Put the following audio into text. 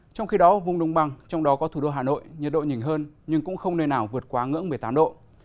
trong khi đó vùng đông bằng trong đó có thủ đô hà nội nhiệt độ nhìn hơn nhưng cũng không nơi nào vượt quá ngưỡng một mươi tám độ